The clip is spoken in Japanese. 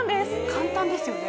簡単ですよね。